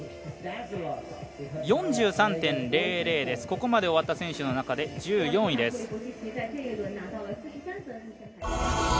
４３．００です、ここまで終わった選手の中で１４位です。